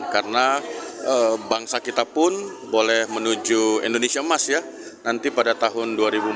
karena bangsa kita pun boleh menuju indonesia emas ya nanti pada tahun dua ribu empat puluh lima